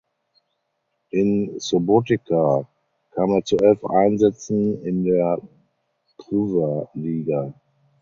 In Subotica kam er zu elf Einsätzen in der Prva Liga.